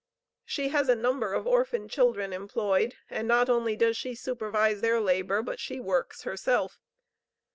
She has a number of orphan children employed, and not only does she supervise their labor, but she works herself.